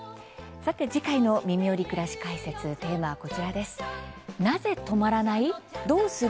さて次回の「みみより！くらし解説」テーマはこちらです。